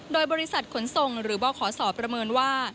โดยบริษัทขนส่งหรือบขศประเมินว่า